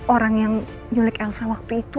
orang yang nyulik elsa waktu itu